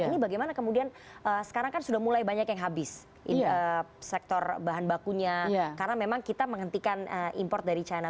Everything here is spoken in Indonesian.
ini bagaimana kemudian sekarang kan sudah mulai banyak yang habis sektor bahan bakunya karena memang kita menghentikan import dari china